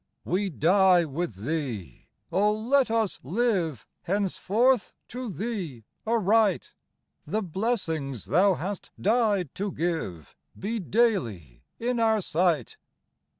We die with Thee : oh, let us live Henceforth to Thee aright ! The blessings Thou hast died to give Be daily in our sight.